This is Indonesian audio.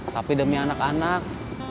tapi demi anak anak